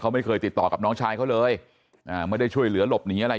ไม่เคยติดต่อกับน้องชายเขาเลยอ่าไม่ได้ช่วยเหลือหลบหนีอะไร